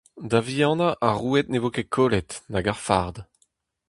Da vihanañ ar roued ne vo ket kollet, nag ar fard.